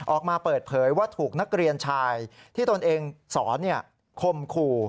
ออกมาเปิดเผยว่าถูกนักเรียนชายที่ตนเองสอนคมขู่